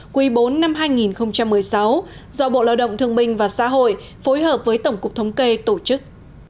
quý bốn năm hai nghìn một mươi sáu do bộ lao động thương minh và xã hội phối hợp với tổng cục thống kê tổ chức